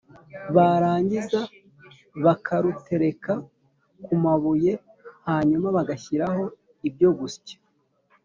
barangiza bakarutereka ku mabuye hanyuma bagashyiraho ibyo gusya,